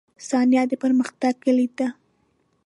• ثانیه د پرمختګ کلید ده.